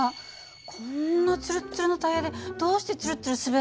こんなツルッツルのタイヤでどうしてツルッツル滑らないの？